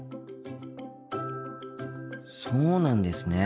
そうなんですね。